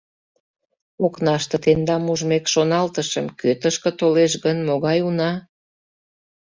— Окнаште тендам ужмек шоналтышым, кӧ тышке толеш гын, могай уна?